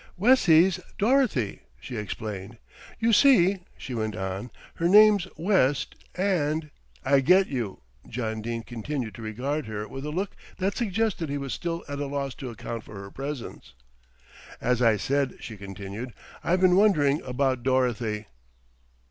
"Wessie's Dorothy," she explained. "You see," she went on, "her name's West and " "I get you." John Dene continued to regard her with a look that suggested he was still at a loss to account for her presence. "As I said," she continued, "I've been wondering about Dorothy."